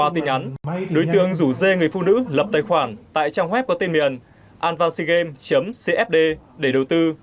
tình ắn đối tượng rủ dê người phụ nữ lập tài khoản tại trang web có tên miền advancedgame cfd để đầu tư